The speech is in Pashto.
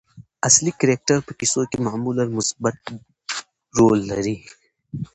اصلي کرکټر په کیسو کښي معمولآ مثبت رول لري.